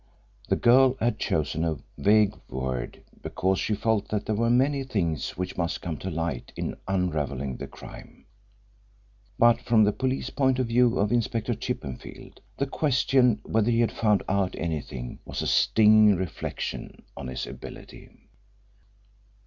The girl had chosen a vague word because she felt that there were many things which must come to light in unravelling the crime, but, from the police point of view of Inspector Chippenfield, the question whether he had found out anything was a stinging reflection on his ability.